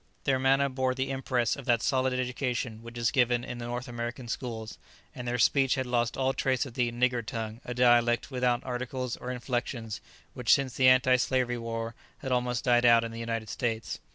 Their manner bore the impress of that solid education which is given in the North American schools, and their speech had lost all trace of the "nigger tongue," a dialect without articles or inflexions, which since the anti slavery war has almost died out in the United States.